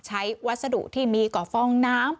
วัสดุที่มีก่อฟองน้ำ